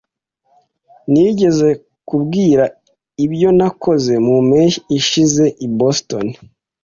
Nigeze nkubwira ibyo nakoze mu mpeshyi ishize i Boston?